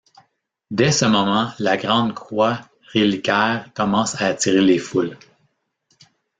Dès ce moment, la grande croix-reliquaire commence à attirer les foules.